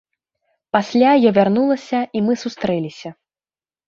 Пасля я вярнулася і мы сустрэліся.